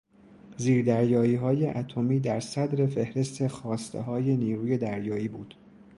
زیردریاییهای اتمیدر صدر فهرست خواستههای نیروی دریایی بود.